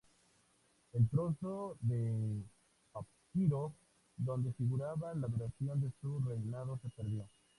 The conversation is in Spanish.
El trozo de papiro donde figuraba la duración de su reinado se perdió.